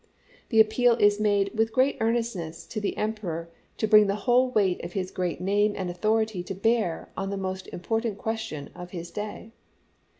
The appeal is made with great earnestness to the Em peror to bring the whole weight of his great name and authority to bear on the most important ques tion of his day.